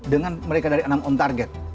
dengan mereka dari enam on target